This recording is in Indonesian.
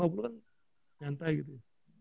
sampai sekarang pandemi ini